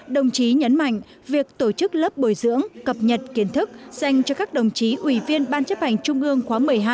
đồng chí nhấn mạnh việc tổ chức lớp bồi dưỡng cập nhật kiến thức dành cho các đồng chí ủy viên ban chấp hành trung ương khóa một mươi hai